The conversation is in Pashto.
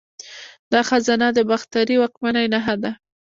دا خزانه د باختري واکمنۍ نښه ده